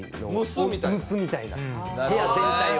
部屋全体を。